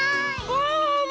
ワンワンも！